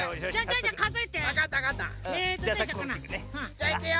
じゃあいくよ！